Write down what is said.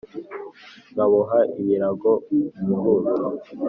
nkaboha ibirago umurundo